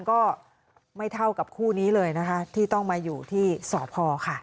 ก็ไม่เท่ากับคู่นี้เลยนะคะที่ต้องมาอยู่ที่สพค่ะ